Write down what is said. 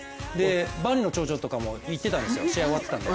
万里の長城とかも行ってたんですよ、試合終わってたんで。